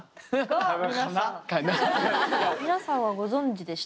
皆さんはご存じでした？